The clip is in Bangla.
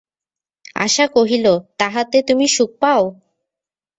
আশা কহিল, তাহাতে তুমি সুখ পাও?